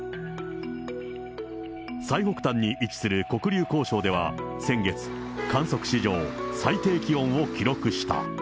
最北端に位置する黒龍江省では先月、観測史上最低気温を記録した。